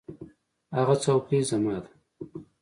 هغه څوکۍ زما ده.